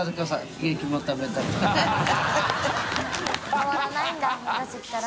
変わらないんだ昔から。